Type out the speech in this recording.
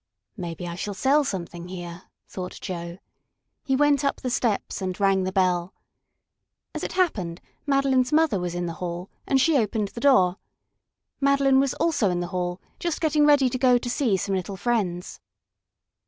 "Maybe I shall sell something here," thought Joe. He went up the steps and rang the bell. As it happened, Madeline's mother was in the hall and she opened the door. Madeline was also in the hall, just getting ready to go to see some little friends.